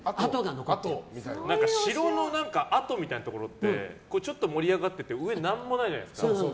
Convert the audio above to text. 城の跡とかってちょっと盛り上がって上、何もないじゃないですか。